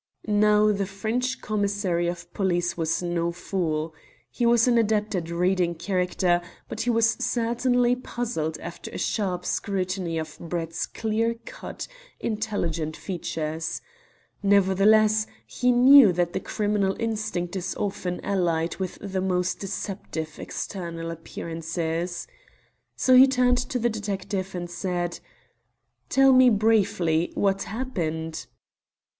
Now, the French Commissary of Police was no fool. He was an adept at reading character, but he was certainly puzzled after a sharp scrutiny of Brett's clear cut, intelligent features. Nevertheless, he knew that the criminal instinct is often allied with the most deceptive external appearances. So he turned to the detective, and said "Tell me, briefly, what happened?"